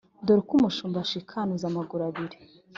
Dore uko umushumba ashikanuza amaguru abiri